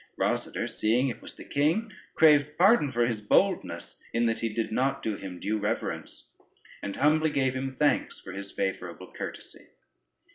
Rosader seeing it was the king, craved pardon for his boldness, in that he did not do him due reverence, and humbly gave him thanks for his favorable courtesy.